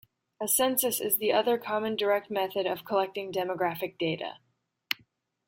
A census is the other common direct method of collecting demographic data.